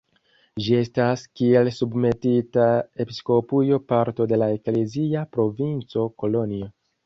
Ĝi estas kiel submetita episkopujo parto de la eklezia provinco Kolonjo.